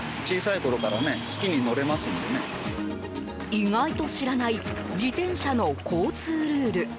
意外と知らない自転車の交通ルール。